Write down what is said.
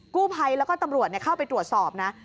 กู้ภัยแล้วก็ตำรวจเข้าไปตรวจสอบนะ